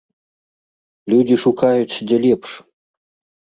Людзі шукаюць, дзе лепш.